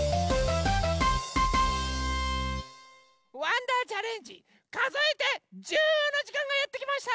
「わんだーチャレンジかぞえて１０！」のじかんがやってきました！